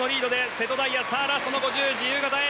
瀬戸大也、ラストの５０ｍ自由形へ。